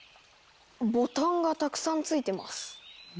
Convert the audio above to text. ボタンがたくさん付いてます。